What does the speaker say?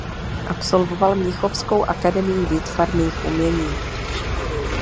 Absolvoval mnichovskou akademii výtvarných umění.